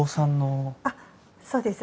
あっそうです。